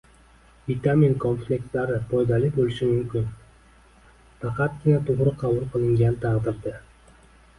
Vitamin komplekslari foydali bo‘lishi mumkin, faqatgina to‘g‘ri qabul qilingan taqdirda